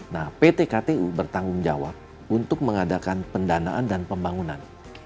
nah pt ktu bertanggung jawab untuk mengadakan pendanaan dan pembangunan